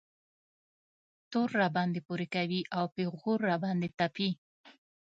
تور راباندې پورې کوي او پېغور را باندې تپي.